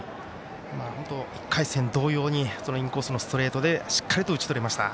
本当、１回戦同様にインコースのストレートでしっかりと打ち取りました。